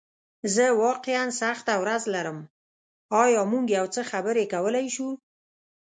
زه واقعیا سخته ورځ لرم، ایا موږ یو څه خبرې کولی شو؟